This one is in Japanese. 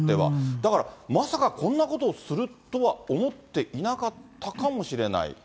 だから、まさかこんなことをするとは思っていなかったかもしれない。